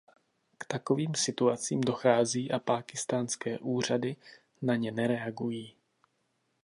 K takovým situacím dochází a pákistánské úřady na ně nereagují.